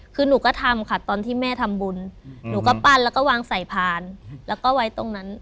คือหนูก็ทำค่ะตอนที่แม่ทำบุญหนูก็ปั้นแล้วก็วางใส่พานแล้วก็ไว้ตรงนั้น